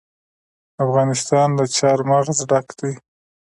افغانستان له چار مغز ډک دی.